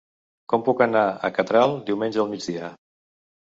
Com puc anar a Catral diumenge al migdia?